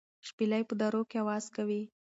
شپېلۍ په درو کې اواز کوي.